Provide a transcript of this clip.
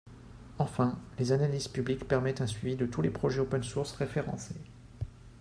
Enfin, les analyses publiques permettent un suivi de tous les projets OpenSource référencés.